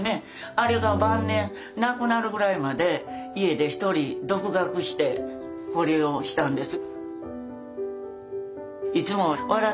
あれが晩年亡くなるぐらいまで家で一人独学してこれをしたんです。